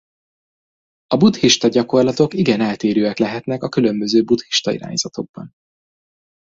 A buddhista gyakorlatok igen eltérőek lehetnek a különböző buddhista irányzatokban.